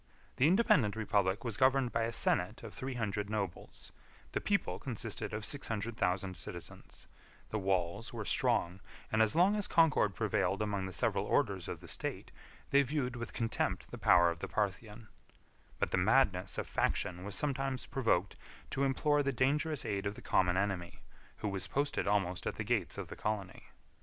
The independent republic was governed by a senate of three hundred nobles; the people consisted of six hundred thousand citizens; the walls were strong, and as long as concord prevailed among the several orders of the state, they viewed with contempt the power of the Parthian: but the madness of faction was sometimes provoked to implore the dangerous aid of the common enemy, who was posted almost at the gates of the colony.